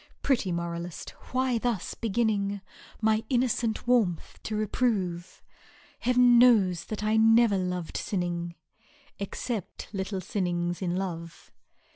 "— Pretty moralist ! why thus beginning My innocent warmth to reprove ? Hedv'n knows that I never lov'd sinning"^ Except little sinnings in love